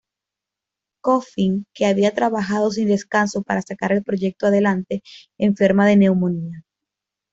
Coffin, que había trabajado sin descanso para sacar el proyecto adelante, enferma de neumonía.